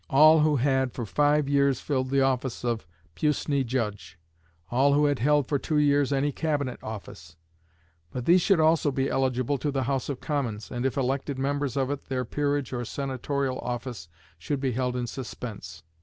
All who had for five years filled the office of puisne judge. All who had held for two years any cabinet office; but these should also be eligible to the House of Commons, and, if elected members of it, their peerage or senatorial office should be held in suspense.